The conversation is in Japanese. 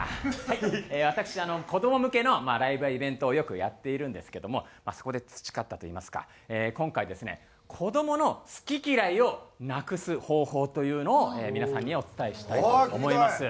私子ども向けのライブやイベントをよくやっているんですけどもそこで培ったといいますか今回ですね子どもの好き嫌いをなくす方法というのを皆さんにお伝えしたいと思います。